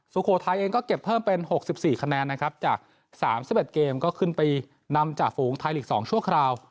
สุโขทัยเองก็เก็บเพิ่มเป็น๖๔คะแนนนะครับจาก๓๑เกมก็ขึ้นไปนำจากฝูงไทยลีก๒ชั่วคราว